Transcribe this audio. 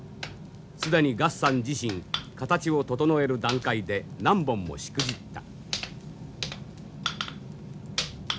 既に月山自身形を整える段階で何本もしくじった。